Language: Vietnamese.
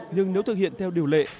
nhưng nếu thực hiện theo điều lệ